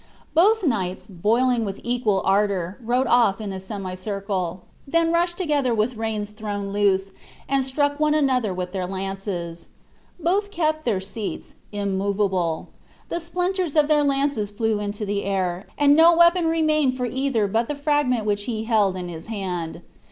Both knights, boiling with equal ardor, rode off in a semicircle; then rushed together with reins thrown loose, and struck one another with their lances. Both kept their seats, immovable. The splinters of their lances flew into the air, and no weapon remained for either but the fragment which he held in his hand.